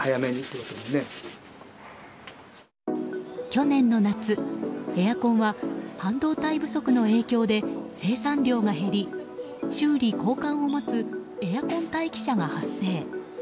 去年の夏、エアコンは半導体不足の影響で生産量が減り修理・交換を待つエアコン待機者が発生。